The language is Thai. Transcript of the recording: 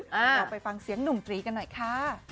เราไปฟังเสียงหนุ่มตรีกันหน่อยค่ะ